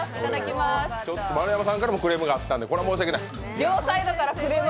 丸山さんからもクレームがあったので、これは申し訳ない。